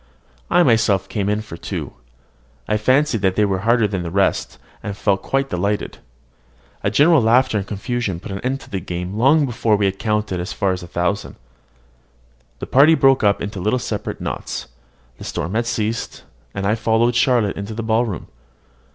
I myself came in for two. I fancied they were harder than the rest, and felt quite delighted. A general laughter and confusion put an end to the game long before we had counted as far as a thousand. The party broke up into little separate knots: the storm had ceased, and I followed Charlotte into the ballroom.